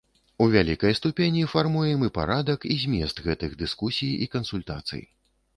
І ў вялікай ступені фармуем і парадак, і змест гэтых дыскусій і кансультацый.